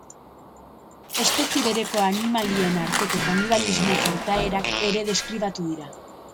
Espezie bereko animalien arteko kanibalismo-portaerak ere deskribatu dira.